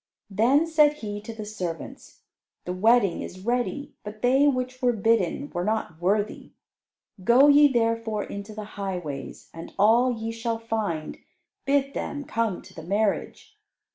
Then said he to the servants, "The wedding is ready, but they which were bidden were not worthy. Go ye therefore into the highways, and all ye shall find, bid them come to the marriage."